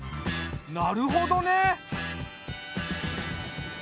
なるほどね。